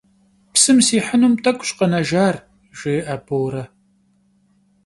Psım sihınım t'ek'uş khenejjar, - jjê'e Bore.